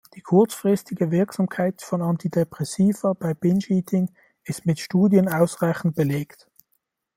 Die kurzfristige Wirksamkeit von Antidepressiva bei Binge Eating ist mit Studien ausreichend belegt.